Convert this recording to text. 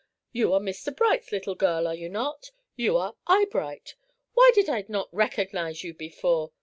You are Mr. Bright's little girl, are you not? You are Eyebright! Why did I not recognize you before?